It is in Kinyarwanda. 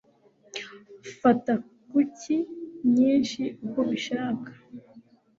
fata kuki nyinshi uko ubishaka